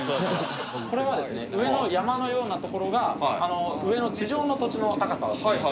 これはですね上の山のような所が上の地上の土地の高さを示しています。